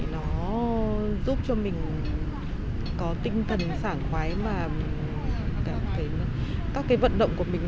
nó giúp cho mình có tinh thần sảng khoái và các cái vận động của mình